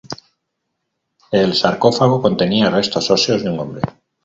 El sarcófago contenía restos óseos de un hombre.